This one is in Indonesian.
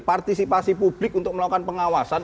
partisipasi publik untuk melakukan pengawasan